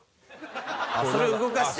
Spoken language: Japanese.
それ動かして？